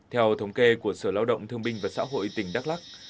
theo thống kê của sở lao động thương binh và xã hội tỉnh đắk lắc